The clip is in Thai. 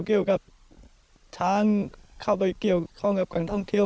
กับช้างเข้าไปเกี่ยวข้องกับการท่องเที่ยว